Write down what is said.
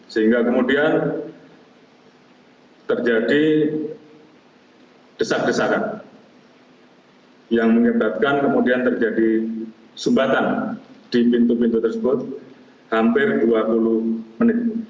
sehingga kemudian terjadi desak desakan yang menyebabkan kemudian terjadi sumbatan di pintu pintu tersebut hampir dua puluh menit